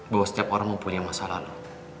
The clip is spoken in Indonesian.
bahwa setiap orang mempunyai masa lalu